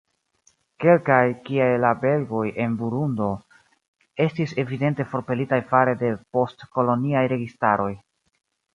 Kelkaj, kiaj la belgoj en Burundo, estis evidente forpelitaj fare de post-koloniaj registaroj.